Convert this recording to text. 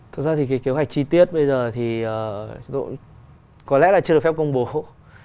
thực ra thì cái kế hoạch chi tiết bây giờ thì có lẽ là chưa được phép công bố hộ